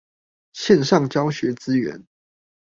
線上教學資源